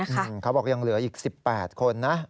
เขาบอกว่ายังเหลืออีก๑๘คน